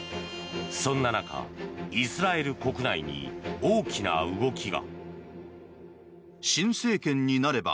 そんな中、イスラエル国内に大きな動きが。